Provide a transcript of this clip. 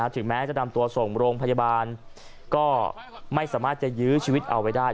ถึงแม้จะนำตัวส่งโรงพยาบาลก็ไม่สามารถจะยื้อชีวิตเอาไว้ได้